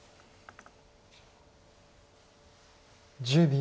１０秒。